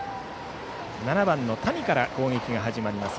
７番、谷から攻撃が始まります